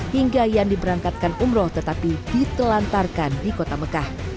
hingga yang diberangkatkan umroh tetapi ditelantarkan di kota mekah